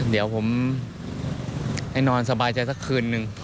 เดี๋ยวผมให้นอนสบายใจสักคืนนึง